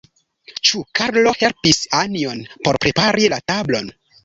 Ĉu Karlo helpis Anjon por prepari la tablon?